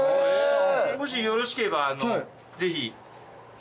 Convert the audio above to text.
もしよろしければぜひ。